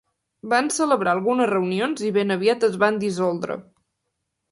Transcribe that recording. Van celebrar algunes reunions i ben aviat es van dissoldre.